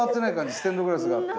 ステンドグラスがあって。